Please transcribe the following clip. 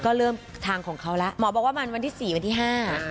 ก็เริ่มทางของเขาแล้วหมอบอกว่ามันวันที่สี่วันที่ห้า